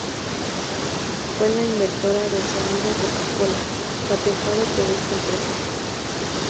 Fue la inventora del sonido Coca-Cola, patentado por esta empresa.